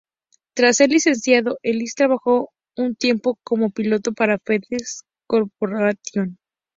Tras ser licenciado, Ellis trabajó un tiempo como piloto para FedEx Corporation.